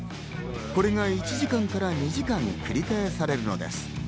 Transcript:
これが１時間から２時間繰り返されるのです。